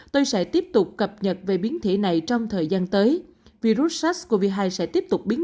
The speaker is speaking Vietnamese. tôi sẽ tiếp tục cập nhật về biến thể này trong thời gian tới virus sars cov hai sẽ tiếp tục biến